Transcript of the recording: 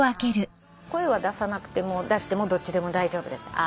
声は出さなくても出してもどっちでも大丈夫です。